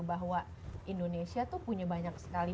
bahwa indonesia tuh punya banyak sekali